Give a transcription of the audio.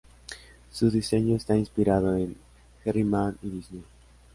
Su diseño está inspirado en Herriman y Disney.